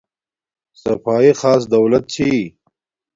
صفایݵ خاص دولت چھی